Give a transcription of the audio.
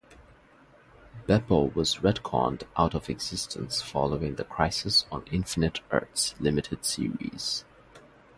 Beppo was retconned out of existence following the "Crisis on Infinite Earths" limited series.